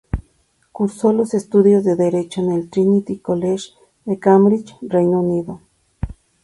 Cursó los estudios de Derecho en el Trinity College de Cambridge, Reino Unido.